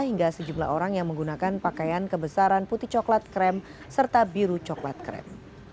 hingga sejumlah orang yang menggunakan pakaian kebesaran putih coklat krem serta biru coklat krem